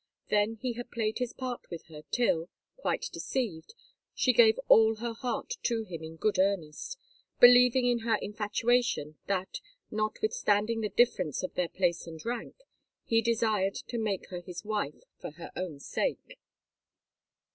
Then he had played his part with her, till, quite deceived, she gave all her heart to him in good earnest, believing in her infatuation that, notwithstanding the difference of their place and rank, he desired to make her his wife for her own sake.